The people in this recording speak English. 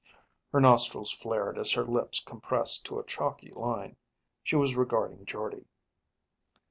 "_ _Her nostrils flared as her lips compressed to a chalky line. She was regarding Jordde.